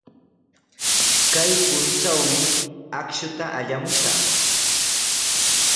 Kay puntrawmi akshuta allamushaq.